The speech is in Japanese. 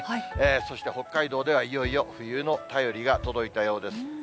そして北海道ではいよいよ冬の便りが届いたようです。